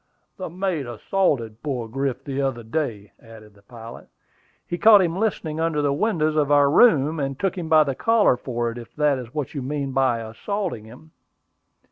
"The mate assaulted poor Griff the other day," added the pilot. "He caught him listening under the windows of our room, and took him by the collar for it, if that is what you mean by assaulting him."